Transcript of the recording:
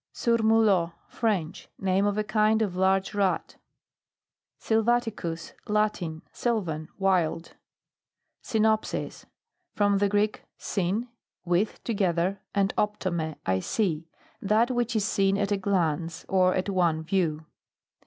SURMULOT. French. Name of a kind of large rat. SYLVATICUS. Latin. Sylvan. Wild. SYNOPSIS. From the Greek, st/n, with, together, and optomai, I see. That which is seen at a glance, or at one view.